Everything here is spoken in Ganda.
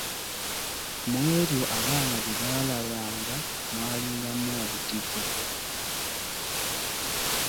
Mu ebyo abaana bye baalabanga, mwalingamu obutiko.